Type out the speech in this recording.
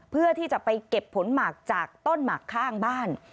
เพื่อที่จะไปเก็บผลหมักจากต้นหมากข้างบ้าน